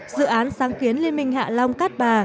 dự án sáng kiến liên minh hạ long cát bà